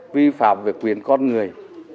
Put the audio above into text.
vi phạm về quyền con người